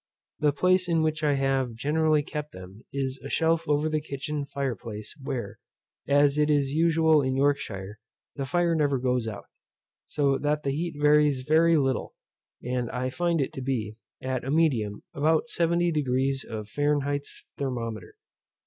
The place in which I have generally kept them is a shelf over the kitchen fire place where, as it is usual in Yorkshire, the fire never goes out; so that the heat varies very little, and I find it to be, at a medium, about 70 degrees of Fahrenheit's thermometer.